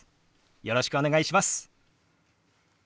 よろしくお願いします。